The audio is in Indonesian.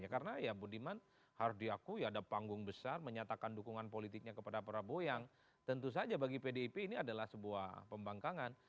karena ya budiman harus diakui ada panggung besar menyatakan dukungan politiknya kepada prabowo yang tentu saja bagi pdip ini adalah sebuah pembangkangan